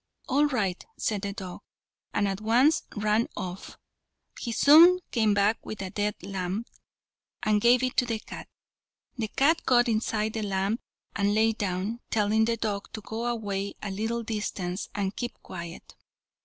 "All right," said the dog, and at once ran off. He soon came back with a dead lamb, and gave it to the cat. The cat got inside the lamb and lay down, telling the dog to go away a little distance and keep quiet.